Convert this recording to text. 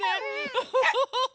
ウフフフフ！